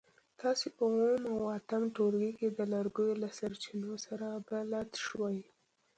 تاسو په اووم او اتم ټولګي کې د لرګیو له سرچینو سره بلد شوي.